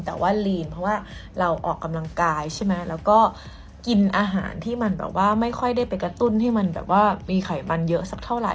แต่ว่าลีนเพราะว่าเราออกกำลังกายใช่ไหมแล้วก็กินอาหารที่มันแบบว่าไม่ค่อยได้ไปกระตุ้นให้มันแบบว่ามีไขมันเยอะสักเท่าไห